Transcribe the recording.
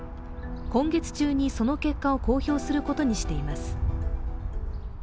今月中に、その結果を公表することにしています。